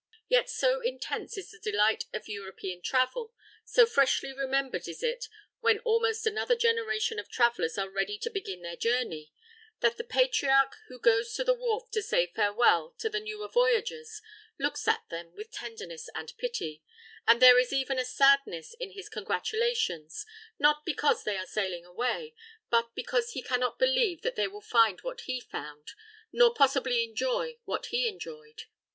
Yet so intense is the delight of European travel, so freshly remembered is it when almost another generation of travellers are ready to begin their journey, that the patriarch who goes to the wharf to say farewell to the newer voyagers looks at them with tenderness and pity, and there is even a sadness in his congratulations, not because they are sailing away, but because he cannot believe that they will find what he found, nor possibly enjoy what he enjoyed.